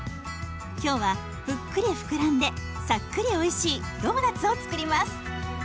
今日はぷっくりふくらんでさっくりおいしいドーナツを作ります。